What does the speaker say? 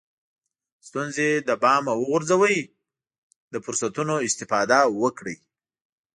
ستونزې له پامه وغورځوئ له فرصتونو استفاده وکړئ.